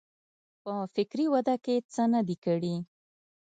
په فکري وده کې څه نه دي کړي.